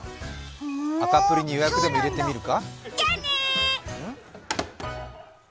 赤プリに予約でも入れてみるか？